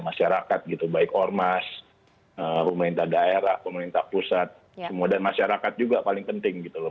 masyarakat gitu baik ormas pemerintah daerah pemerintah pusat semua dan masyarakat juga paling penting gitu loh